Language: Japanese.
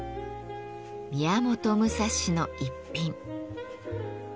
宮本武蔵の逸品。